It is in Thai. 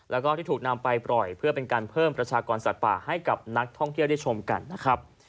แล้วก็ที่ถูกนำไปปล่อยเพื่อเป็นการเพิ่มประชากรสัตว์ป่าให้กับนักท่องเที่ยวได้ชมกันนะครับ